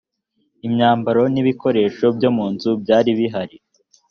imyambaro n ibikoresho byo mu nzu byari bihari